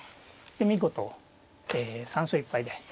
見事３勝１敗で。